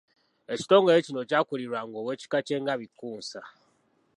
Ekitongole kino kyakulirwanga ow’ekika ky’engabi Kkunsa.